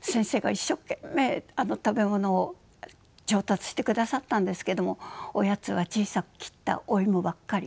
先生が一生懸命食べ物を調達してくださったんですけれどもおやつは小さく切ったお芋ばっかり。